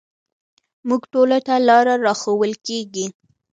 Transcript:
موږ ټولو ته لاره راښوول کېږي.